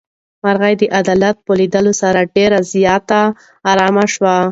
مرغۍ د عدالت په لیدلو سره ډېره زیاته ارامه شوه.